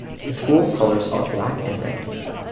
The school colours are black and red.